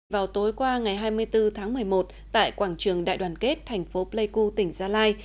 vào tối qua ngày hai mươi bốn tháng một mươi một tại quảng trường đại đoàn kết thành phố pleiku tỉnh gia lai